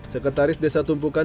sekretaris desa tumpukan